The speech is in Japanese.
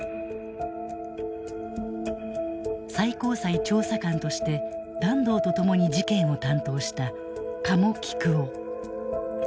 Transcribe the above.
最高裁調査官として團藤と共に事件を担当した加茂紀久男。